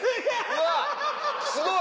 うわすごい！